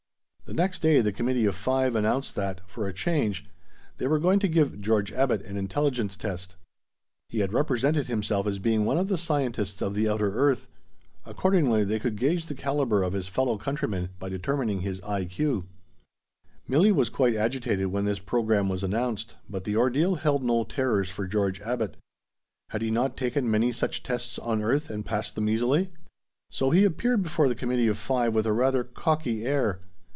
The next day, the Committee of Five announced that, for a change, they were going to give George Abbot an intelligence test. He had represented himself as being one of the scientists of the outer earth; accordingly, they could gauge the caliber of his fellow countrymen by determining his I. Q. Milli was quite agitated when this program was announced, but the ordeal held no terrors for George Abbot. Had he not taken many such tests on earth and passed them easily? So he appeared before the Committee of Five with a rather cocky air.